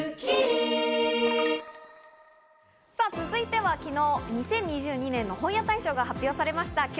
続いては昨日、２０２２年の本屋大賞が発表されました。